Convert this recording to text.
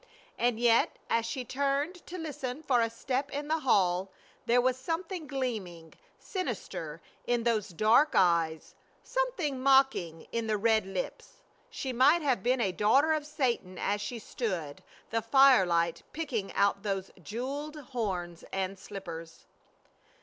And yet, as she turned to listen for a step in the hall, there was something gleaming, sinister, in those dark eyes, something mocking in the red lips. She might have been a daughter of Satan as she stood, the firelight picking out those jeweled horns and slippers.